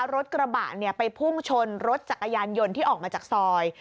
รถกระบะไปพุ่งชนรถจักรยานยนต์ที่ออกมาจากซอย